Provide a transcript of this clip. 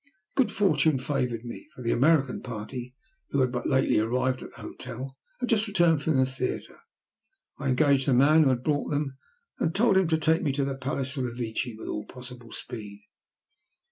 Good fortune favoured me, for the American party who had but lately arrived at the hotel, had just returned from the theatre. I engaged the man who had brought them, and told him to take me to the Palace Revecce with all possible speed.